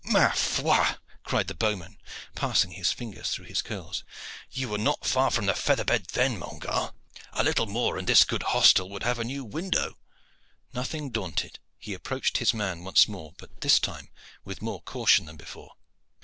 "Ma foi!" cried the bowman, passing his fingers through his curls, "you were not far from the feather bed then, mon gar. A little more and this good hostel would have a new window." Nothing daunted, he approached his man once more, but this time with more caution than before.